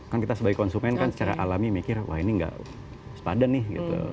kan kita sebagai konsumen kan secara alami mikir wah ini nggak sepadan nih gitu